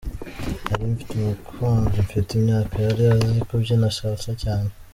Nari mfite umukunzi mfite imyaka yari azi kubyina Salsa cyane.